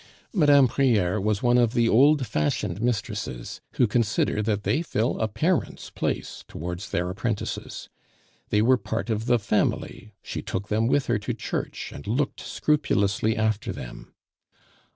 Mme. Prieur was one of the old fashioned mistresses, who consider that they fill a parent's place towards their apprentices. They were part of the family; she took them with her to church, and looked scrupulously after them.